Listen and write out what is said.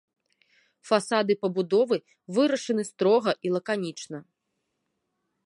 Фасады пабудовы вырашаны строга і лаканічна.